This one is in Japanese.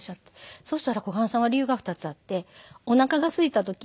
そしたら小雁さんは理由が２つあっておなかがすいた時。